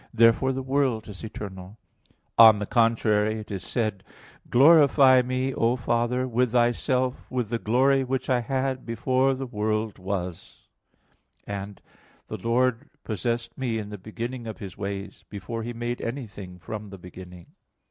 Therefore the world is eternal. On the contrary, It is said (John 17:5), "Glorify Me, O Father, with Thyself with the glory which I had before the world was"; and (Prov. 8:22), "The Lord possessed Me in the beginning of His ways, before He made anything from the beginning."